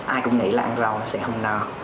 ai cũng nghĩ là ăn rau nó sẽ không ngờ